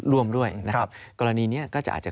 ร่วมด้วยนะครับกรณีนี้ก็จะอาจจะ